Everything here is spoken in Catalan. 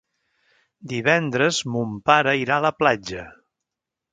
Divendres mon pare irà a la platja.